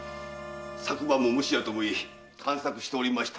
昨晩ももしやと思い探索しておりましたところ。